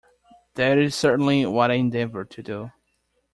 That is certainly what I endeavour to do.